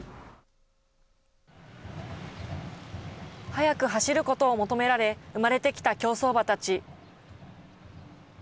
速く走ることを求められ、生まれてきた競走馬たち。